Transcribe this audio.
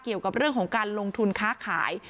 เกี่ยวกับเรื่องของการลงทุนค้าขาย